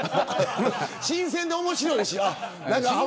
新鮮で面白いし。